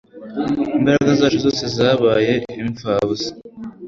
imbaraga zacu zose zabaye impfabusa